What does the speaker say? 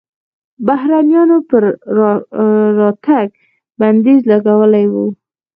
بهرنیانو پر راتګ بندیز لګولی و.